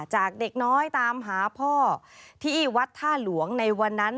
จากเด็กน้อยตามหาพ่อที่วัดท่าหลวงในวันนั้น